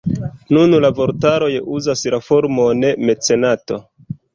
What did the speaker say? Nun la vortaroj uzas la formon mecenato.